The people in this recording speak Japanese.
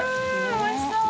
おいしそう！